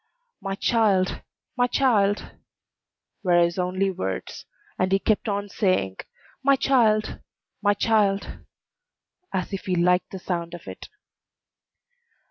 "My child! my child!" were his only words; and he kept on saying, "My child! my child!" as if he liked the sound of it.